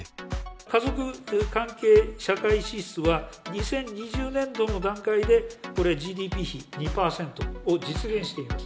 家族関係社会支出は、２０２０年度の段階で、これ、ＧＤＰ比２％を実現しています。